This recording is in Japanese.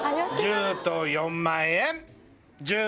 １０と４万円！